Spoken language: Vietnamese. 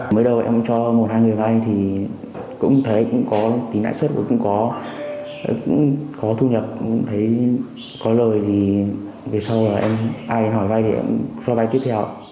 mới đầu em cho một hai người vai thì cũng thấy tính lãi suất cũng có có thu nhập có lời thì về sau ai hỏi vai thì em cho vai tiếp theo